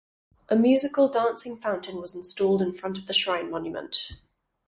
A musical dancing fountain was installed in front of the shrine monument.